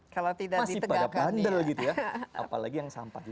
kalau tidak ditegakkan ya apalagi yang sampah